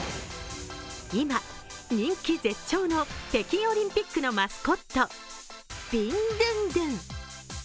今、人気絶頂の北京オリンピックのマスコットビンドゥンドゥン。